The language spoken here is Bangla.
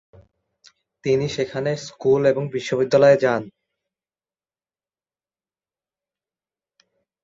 তিনি সেখানের স্কুল এবং বিশ্ববিদ্যালয়ে যান।